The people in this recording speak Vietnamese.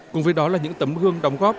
cùng với đó là những tấm gương đóng góp